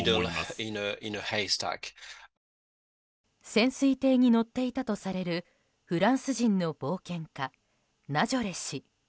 潜水艇に乗っていたとされるフランス人の冒険家ナジョレ氏。